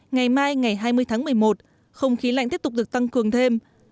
ngày mai ngày hai mươi tháng một mươi một không khí lạnh tiếp tục được tăng cường thêm